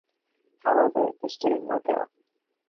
However, this didn't work out.